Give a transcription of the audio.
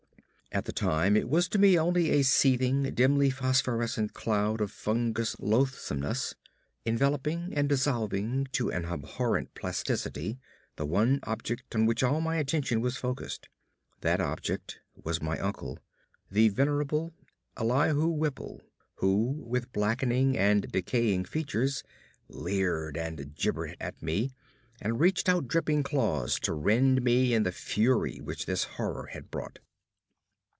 At the time, it was to me only a seething, dimly phosphorescent cloud of fungous loathsomeness, enveloping and dissolving to an abhorrent plasticity the one object on which all my attention was focussed. That object was my uncle the venerable Elihu Whipple who with blackening and decaying features leered and gibbered at me, and reached out dripping claws to rend me in the fury which this horror had brought.